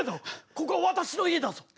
ここは私の家だぞ。